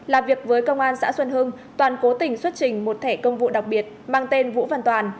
làm việc với công an xã xuân hưng toàn cố tình xuất trình một thẻ công vụ đặc biệt mang tên vũ văn toàn